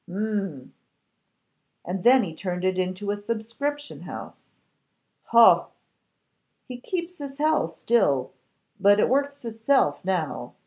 'Hum!' 'And then he turned it into a subscription house.' 'Hoh!' 'He keeps his hell still, but it works itself now.